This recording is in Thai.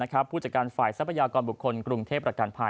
ขอให้ยินดี